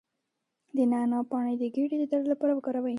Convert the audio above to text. د نعناع پاڼې د ګیډې د درد لپاره وکاروئ